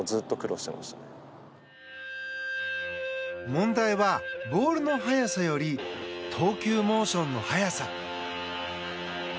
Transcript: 問題はボールの速さより投球モーションの速さ。